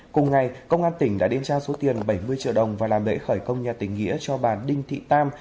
cùng ngày công an tỉnh đã đến trao số tiền bảy mươi triệu đồng và làm lễ khởi công nhà tỉnh nghĩa cho bà đinh thị tam